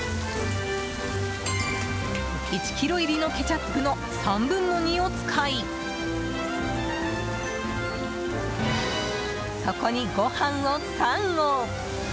１ｋｇ入りのケチャップの３分の２を使いそこに、ご飯を３合。